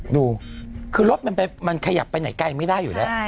ดูคือรถมันขยับไปไหนไกลไม่ได้อยู่แล้ว